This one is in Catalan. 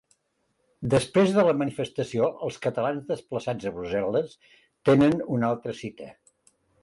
Després de la manifestació els catalans desplaçats a Brussel·les tenen una altra cita.